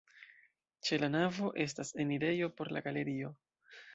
Ĉe la navo estas enirejo por la galerio.